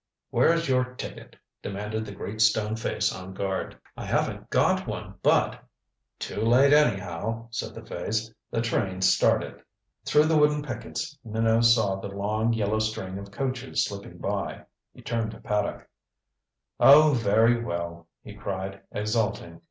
"Where's your ticket?" demanded the great stone face on guard. "I haven't got one, but " "Too late anyhow," said the face. "The train's started." Through the wooden pickets Minot saw the long yellow string of coaches slipping by. He turned to Paddock. "Oh, very well," he cried, exulting.